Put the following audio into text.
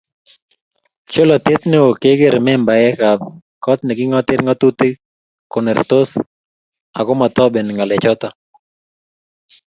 Cholatet neo kekere membaekab kot ne kingoten ngatutik konertos ako matoben ngalechoto